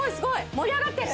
盛り上がってる！